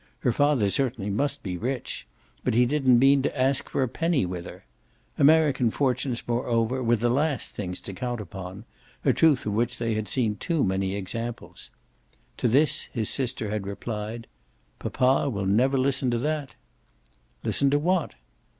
Her father certainly must be rich, but he didn't mean to ask for a penny with her. American fortunes moreover were the last things to count upon; a truth of which they had seen too many examples. To this his sister had replied: "Papa will never listen to that." "Listen to what?"